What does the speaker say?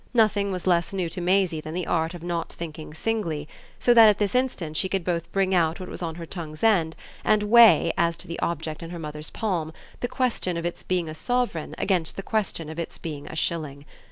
Nothing was less new to Maisie than the art of not thinking singly, so that at this instant she could both bring out what was on her tongue's end and weigh, as to the object in her mother's palm, the question of its being a sovereign against the question of its being a shilling.